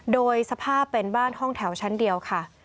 โดยสภาพเป็นบ้านห้องแถวชั้นเดียวค่ะ